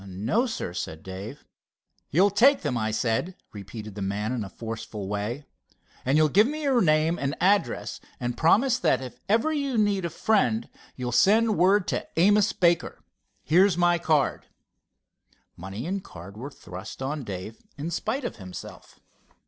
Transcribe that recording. "No, sir," began Dave. "You'll take them, I said," repeated the man in a forceful way. "And you'll give me your name and address, and promise that if ever you need a friend you'll send word to Amos Baker. Here's my card." Money and card were thrust on Dave in spite of himself.